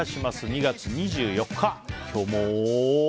２月２４日、今日も。